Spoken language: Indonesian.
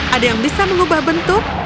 ada yang bisa mengubah bentuk